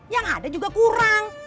yang ada juga kurang